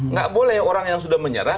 nggak boleh orang yang sudah menyerah